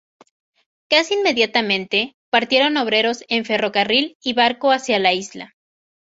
Casi inmediatamente, partieron obreros en ferrocarril y barco hacia la isla.